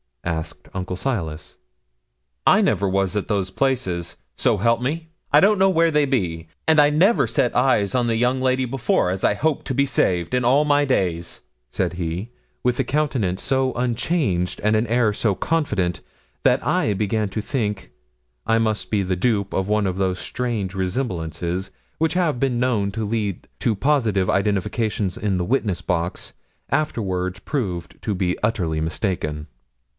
asked Uncle Silas. 'I never was at them places, so help me. I don't know where they be; and I never set eyes on the young lady before, as I hope to be saved, in all my days,' said he, with a countenance so unchanged and an air so confident that I began to think I must be the dupe of one of those strange resemblances which have been known to lead to positive identification in the witness box, afterwards proved to be utterly mistaken.